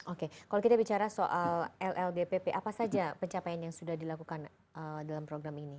oke kalau kita bicara soal lldpp apa saja pencapaian yang sudah dilakukan dalam program ini